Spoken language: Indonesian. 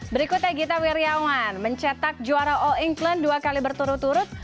berikutnya gita wirjawan mencetak juara all england dua kali berturut turut